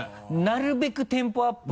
なるべくテンポアップで。